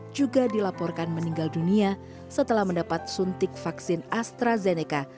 juga dilaporkan meninggal dunia setelah mendapat suntik vaksin astrazeneca